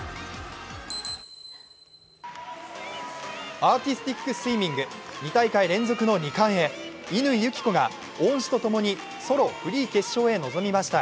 アーティスティックスイミング２大会連続の２冠へ乾友紀子が恩師とともにソロフリー決勝へ臨みました。